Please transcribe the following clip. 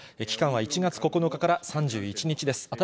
期間は１月９日から３１日です。